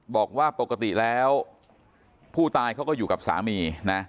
บอกว่าปกติแล้วผู้ตายเขาก็อยู่กับสามีนะ